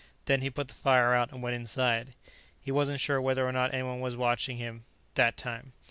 Then he put the fire out and went inside. He wasn't sure whether or not anyone was watching him, that time.